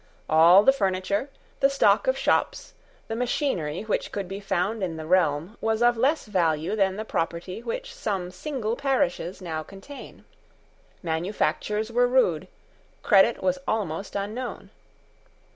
All the furniture, the stock of shops, the machinery which could be found in the realm was of less value than the property which some single parishes now contain. Manufactures were rude; credit was almost unknown.